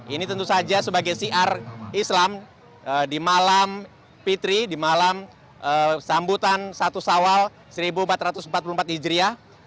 ini tentu saja sebagai siar islam di malam fitri di malam sambutan satu sawal seribu empat ratus empat puluh empat hijriah